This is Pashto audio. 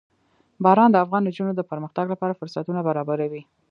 باران د افغان نجونو د پرمختګ لپاره فرصتونه برابروي.